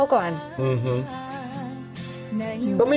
โอเคโอเคโอเค